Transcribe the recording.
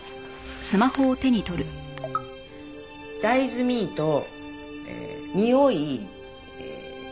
「大豆ミートにおい裏技」？